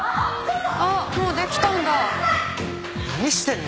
あっもうできたんだ。